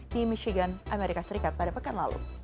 di michigan amerika serikat pada pekan lalu